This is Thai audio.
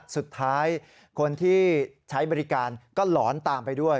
สุดท้ายคนที่ใช้บริการก็หลอนตามไปด้วย